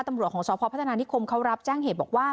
ตำรวจของสพพัฒนานิคมเขารับแจ้งเหตุบอกว่า